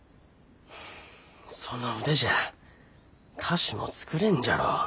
その腕じゃあ菓子も作れんじゃろう。